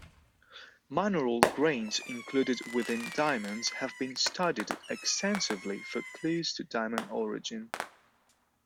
Mineral grains included within diamonds have been studied extensively for clues to diamond origin.